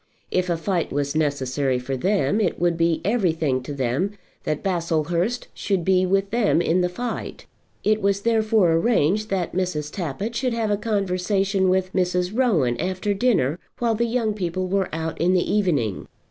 If a fight was necessary for them, it would be everything to them that Baslehurst should be with them in the fight. It was therefore arranged that Mrs. Tappitt should have a conversation with Mrs. Rowan after dinner, while the young people were out in the evening.